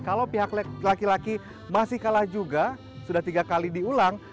kalau pihak laki laki masih kalah juga sudah tiga kali diulang